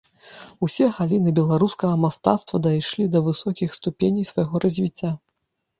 Усе галіны беларускага мастацтва дайшлі да высокіх ступеней свайго развіцця.